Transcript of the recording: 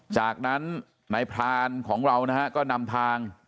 จากนั้นนายพรานของเรานะฮะก็นำทาง